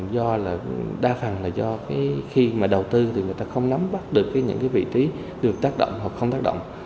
đa phần là do khi mà đầu tư thì người ta không nắm bắt được những cái vị tí được tác động hoặc không tác động